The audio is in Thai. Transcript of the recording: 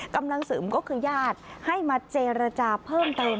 กำลังเสริมก็คือญาติให้มาเจรจาเพิ่มเติม